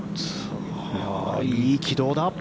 いい軌道だ。